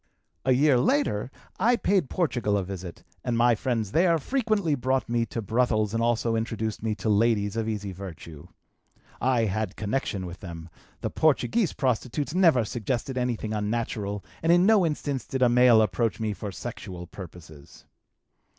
"A year later I paid Portugal a visit and my friends there frequently brought me to brothels and also introduced me to ladies of easy virtue. I had connection with them; the Portuguese prostitutes never suggested anything unnatural and in no instance did a male approach me for sexual purposes.